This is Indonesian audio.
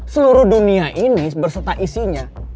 seluruh dunia ini berserta isinya